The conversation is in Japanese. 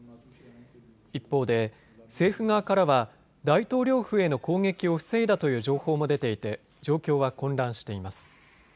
一方で政府側からは大統領府への攻撃を防いだという情報も出ていて状況は混乱しています。